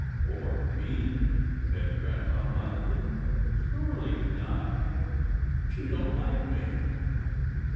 " For me," said grampa, mildly, " surely not —' she don't like me."